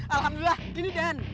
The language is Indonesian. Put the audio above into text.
alhamdulillah ini dan